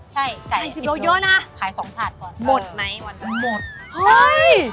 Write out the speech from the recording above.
ใช่ไก่สิบโลเยอะนะไขยสองผัดก่อนอ๋อหมดไหมหมดเฮ้ยหมดเร็วด้วย